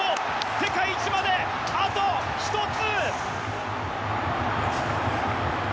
世界一まで、あと１つ！